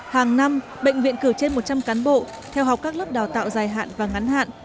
hàng năm bệnh viện cử trên một trăm linh cán bộ theo học các lớp đào tạo dài hạn và ngắn hạn